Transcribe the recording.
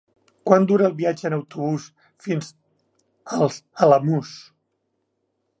Quant dura el viatge en autobús fins als Alamús?